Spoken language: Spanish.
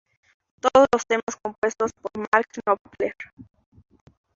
Todos los temas compuestos por Mark Knopfler.